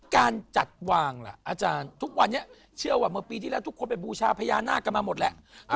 การจัดวางล่ะอาจารย์ทุกวันนี้เชื่อว่าเมื่อปีที่แล้วทุกคนไปบูชาพญานาคกันมาหมดแล้ว